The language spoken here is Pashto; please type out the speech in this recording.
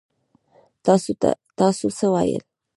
تاسو څه ويل؟